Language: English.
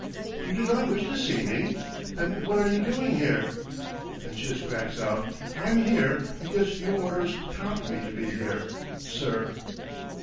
"You do not wish to see me? Then what are you doing here?" And Chiz cracks out: "I'm here because your orders compel me to be here, sir."